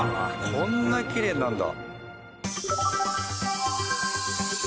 こんなきれいになるんだ。